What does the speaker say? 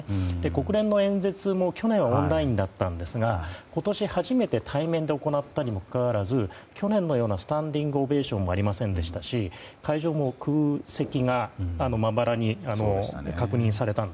国連の演説も去年はオンラインでしたが今年初めて対面で行ったのにもかかわらず去年のようなスタンディングオベーションはありませんでしたし会場も空席がまばらに確認されました。